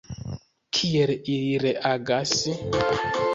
Kiel ili reagas?